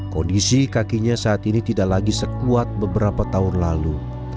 kondisi kakinya saat ini tidak lagi sekuat beberapa tahun lalu